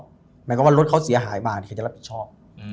หมายความว่ารถเขาเสียหายมาเขาจะรับผิดชอบ